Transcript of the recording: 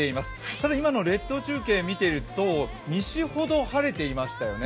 ただ今の列島中継を見ていると、西ほど晴れていましたよね。